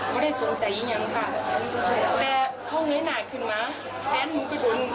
ไม่ได้สนใจยิ่งยังค่ะแต่เข้าไหนหน่าขึ้นมาแฟนด์หนูก็ดุล